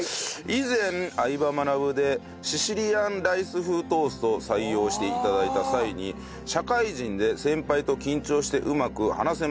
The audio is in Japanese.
以前『相葉マナブ』でシシリアンライス風トーストを採用して頂いた際に社会人で先輩と緊張してうまく話せません